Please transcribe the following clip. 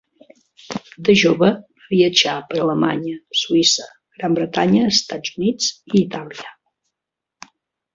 De jove va viatjar per Alemanya, Suïssa, Gran Bretanya, Estats Units i Itàlia.